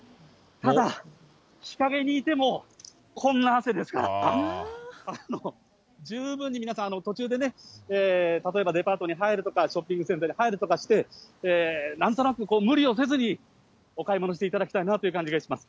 ただ、日陰にいても、こんな汗ですから、十分に皆さん、途中でね、例えばデパートに入るとか、ショッピングセンターに入るとかして、なんとなく無理をせずに、お買い物していただきたいなという感じがします。